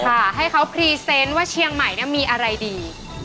ให้เขาพรีเซนต์ว่าเชียงใหม่เนี่ยมีอะไรดี